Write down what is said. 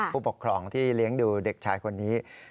ผู้ปกครองที่เลี้ยงดูเด็กชายคนนี้